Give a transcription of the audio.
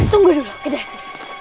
tunggu dulu kedasi